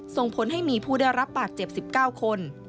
ส่งผลให้มีผู้ได้รับบาดเจ็บ๑๙คน